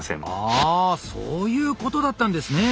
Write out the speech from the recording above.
ああそういうことだったんですね。